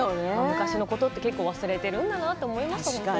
昔のことって結構忘れているんだなと思います。